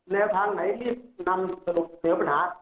ในแทนไหนที่นำเสื้อปัญหา